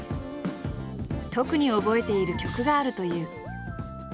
特に覚えている曲があるという。